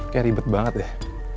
kayak ribet banget deh